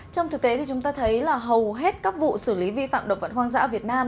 trong thực tế thì chúng ta thấy là hầu hết các vụ xử lý vi phạm động vật hoang dã việt nam